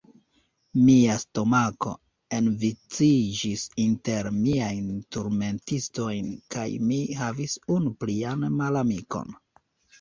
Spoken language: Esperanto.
Mia stomako enviciĝis inter miajn turmentistojn, kaj mi havis unu plian malamikon.